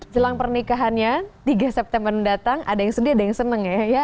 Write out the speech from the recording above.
jelang pernikahannya tiga september mendatang ada yang sedih ada yang seneng ya